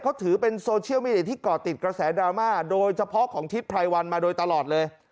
เขาถือเป็นโซเชียลมีเดียที่ก่อติดกระแสดราม่าโดยเฉพาะของทิศไพรวันมาโดยตลอดเลย